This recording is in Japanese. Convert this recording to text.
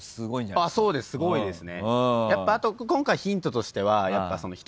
でもすごいですね。